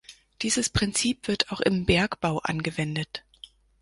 Dieses Prinzip wird auch im Bergbau angewendet.